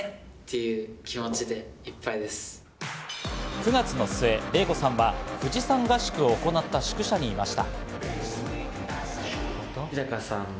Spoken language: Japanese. ９月の末、ＲＥＩＫＯさんは富士山合宿を行った宿舎にいました。